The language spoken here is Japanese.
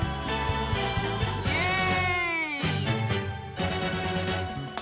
イエイ！